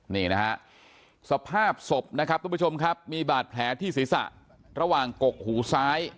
นี่นะฮะสภาพศพนะครับทุกผู้ชมครับมีบาดแผลที่ศีรษะระหว่างกกหูซ้าย